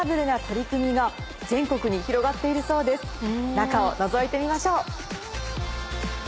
中をのぞいてみましょう！